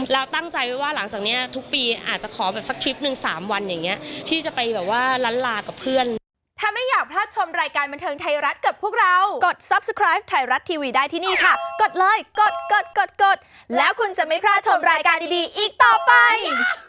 แล้วคุณจะไม่พลาดชมรายการดีอีกต่อไป